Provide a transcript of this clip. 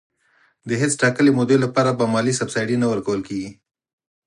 د هیڅ ټاکلي مودې لپاره به مالي سبسایډي نه ورکول کېږي.